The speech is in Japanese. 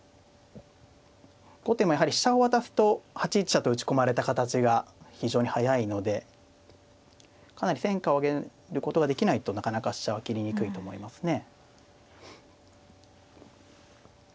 後手もやはり飛車を渡すと８一飛車と打ち込まれた形が非常に速いのでかなり戦果を上げることができないとなかなか飛車は切りにくいと思いますね。